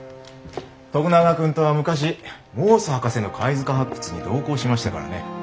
徳永君とは昔モース博士の貝塚発掘に同行しましたからね。